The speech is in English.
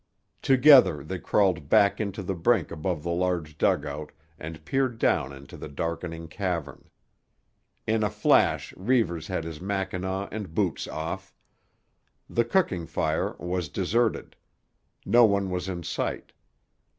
Together they crawled back to the brink above the large dugout and peered down into the darkening cavern. In a flash Reivers had his mackinaw and boots off. The cooking fire was deserted. No one was in sight.